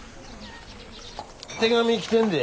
手紙来てんで。